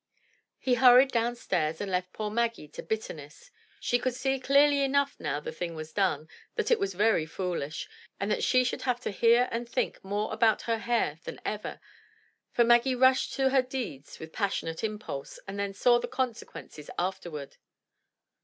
He hurried down stairs and left poor Maggie to bitterness. She could see clearly enough now the thing was done, that it was very foolish, and that she should have to hear and think more about her hair than ever, for Maggie rushed to her deeds with passionate impulse and then saw their consequences after ward.